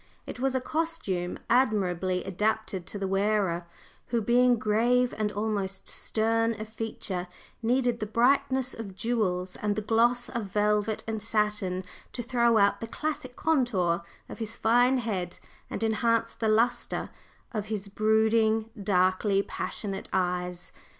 It was a costume admirably adapted to the wearer, who, being grave and almost stern of feature, needed the brightness of jewels and the gloss of velvet and satin to throw out the classic contour of his fine head and enhance the lustre of his brooding, darkly passionate eyes.